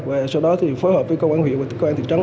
và sau đó thì phối hợp với công an huyện và công an thị trấn